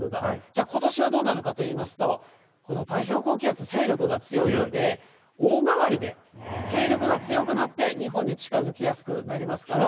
じゃあ、ことしはどうなのかと言いますと、太平洋高気圧、勢力が強いので、大回りで勢力が強くなって、日本に近づきやすくなりますから。